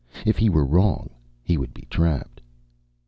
If he were wrong, he would be trapped.